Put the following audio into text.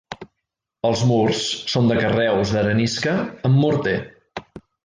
Els murs són de carreus d'arenisca amb morter.